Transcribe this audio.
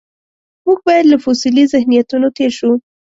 موږ باید له فوسیلي ذهنیتونو تېر شو.